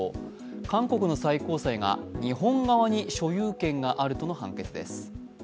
韓国の最高裁が日本側に所有権があるとの判決です。